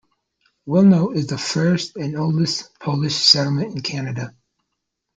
Wilno is the first and oldest Polish settlement in Canada.